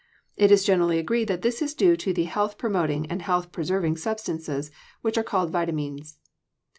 It is generally agreed that this is due to the health promoting and health preserving substances which are called vitamines.